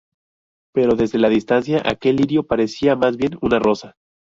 Pero desde la distancia, aquel lirio parecía más bien una rosa.